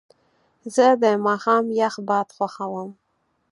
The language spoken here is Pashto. زه د ماښام یخ باد خوښوم.